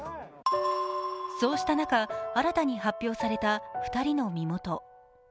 そうした中、新たに発表された２人の身元。